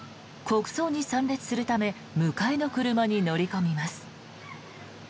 国葬に参列するため迎えの車に乗り込みます。